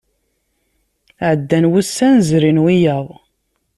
Ɛeddan wussan, zrin wiyaḍ.